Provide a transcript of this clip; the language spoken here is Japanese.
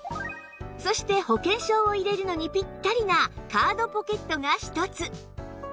そして保険証を入れるのにピッタリなカードポケットが１つ